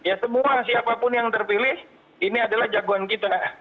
ya semua siapapun yang terpilih ini adalah jagoan kita